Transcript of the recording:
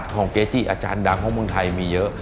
ของเกจิอาจารย์ดังของเมืองไทยมีเยอะ